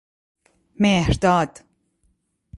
مﮩرداد